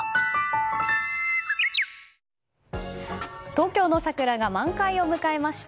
東京の桜が満開を迎えました。